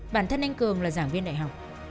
bản thân anh cường là giảng viên đại học